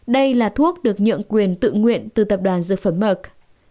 đây là thuốc được nhượng quyền tự nguyện từ tập đoàn dược phẩm mở